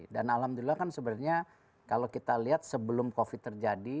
dan alhamdulillah kan sebenarnya kalau kita lihat sebelum covid sembilan belas terjadi